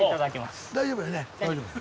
大丈夫やね？